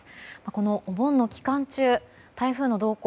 このお盆の期間中、台風の動向